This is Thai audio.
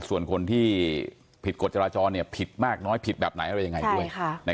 ส่วนคนที่ผิดกฎจราจรผิดมากน้อยผิดแบบไหนอะไรยังไงด้วย